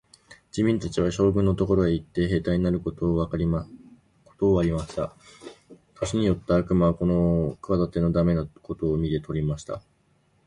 人民たちは、将軍のところへ行って、兵隊になることをことわりました。年よった悪魔はこの企ての駄目なことを見て取りました。